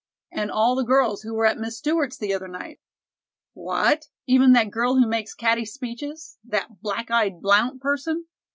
"And all the girls who were at Miss Stewart's the other night." "What, even that girl who makes catty speeches. That black eyed Blount person?"